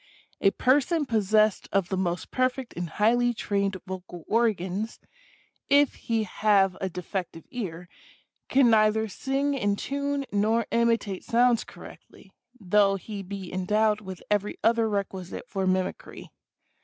A person possessed of the most perfect and highly trained vocal organs, if he have a de fective ear, can neither sing in tune nor imitate sounds correctly, though he be endowed with every other requisite for mimicry.